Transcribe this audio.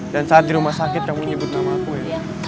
dan saat di rumah sakit kamu nyebut nama aku ya